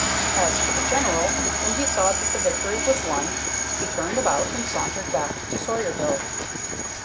As for the General, when he saw that the victory was won, he turned about and sauntered back to Sawyerville.